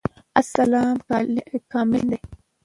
اسلام کامل دين ده